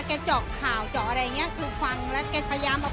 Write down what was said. แกก็จะพูดให้เรารู้ว่าผิดถูกมันเป็นยังไง